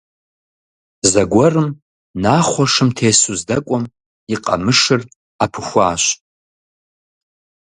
Зэгуэрым, Нахъуэ шым тесу здэкӏуэм, и къамышыр ӏэпыхуащ.